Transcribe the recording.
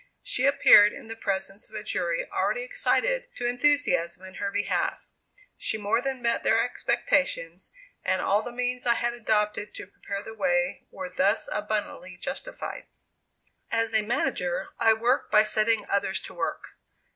She appeared in the presence of a jury already excited to enthusiasm in her behalf. She more than met their expectations, and all the means I had adopted to prepare the way were thus abundantly justified. As a manager, I worked by setting others to work.